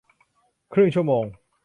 ครึ่งชั่วโมง